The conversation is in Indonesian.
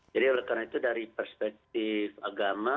jadi oleh karena itu dari perspektif agama